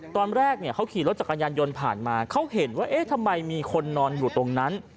ตอนแรกเนี่ยเขาขี่รถจักรยานยนต์ผ่านมาเขาเห็นว่าเอ๊ะทำไมมีคนนอนอยู่ตรงนั้น